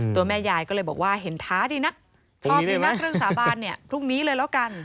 ตัวแม่ยายก็เลยบอกว่าเห็นท้าดีนักชอบดีนักเรื่องสาบานเนี่ยพรุ่งนี้เลยแล้วกัน